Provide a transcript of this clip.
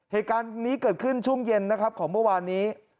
เหตุการณ์นี้เกิดขึ้นช่วงเย็นนะครับของเมื่อวานนี้